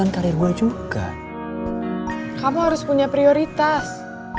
kamu harus punya prioritas